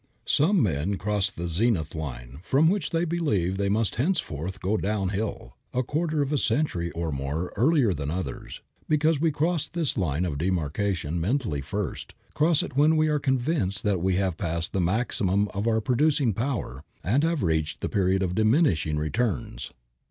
Some men cross the zenith line, from which they believe they must henceforth go down hill, a quarter of a century or more earlier than others, because we cross this line of demarcation mentally first, cross it when we are convinced that we have passed the maximum of our producing power and have reached the period of diminishing returns.